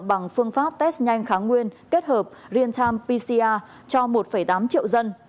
bằng phương pháp test nhanh kháng nguyên kết hợp realtime pcr cho một tám triệu dân